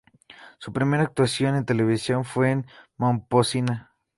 Su primera actuación en televisión fue en Momposina.